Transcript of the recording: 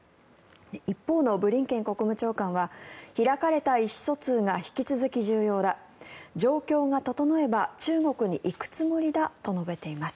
一方のブリンケン国務長官は開かれた意思疎通が引き続き重要だ状況が整えば中国に行くつもりだと述べています。